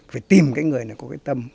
phải tìm cái người nào có cái tâm